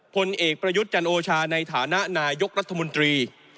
ผลเอกประยุทธ์จันโอชาในฐานะนายกรัฐมนตรี